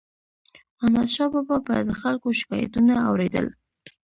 احمدشاه بابا به د خلکو شکایتونه اور يدل.